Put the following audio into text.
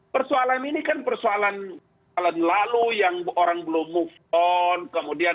persoalan ini kan persoalan tahun lalu yang orang belum move on